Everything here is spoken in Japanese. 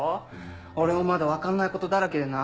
俺もまだ分かんないことだらけでな。